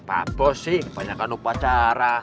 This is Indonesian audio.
pak bos sih kebanyakan upacara